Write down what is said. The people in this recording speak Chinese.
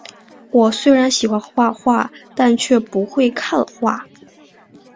我虽然喜欢画画，但却不会看画